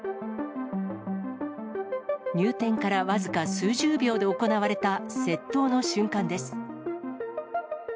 入店から僅か数十秒で行われた窃盗の瞬間です。